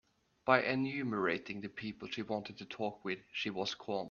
By enumerating the people she wanted to talk with, she was calmed.